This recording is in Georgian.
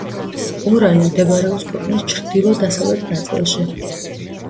ორანი მდებარეობს ქვეყნის ჩრდილო-დასავლეთ ნაწილში.